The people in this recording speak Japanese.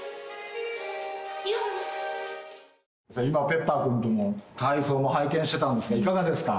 今、ペッパーくんとの体操も拝見してたんですが、いかがですか？